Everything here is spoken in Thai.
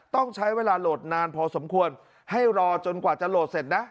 ต้องใช้เวลาโหลดนานพอสมควรให้รอจนกว่าจะโหลดเสร็จนะ